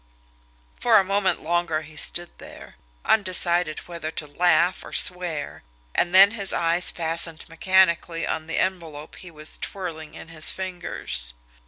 For a moment longer he stood there, undecided whether to laugh or swear, and then his eyes fastened mechanically on the envelope he was twirling in his fingers.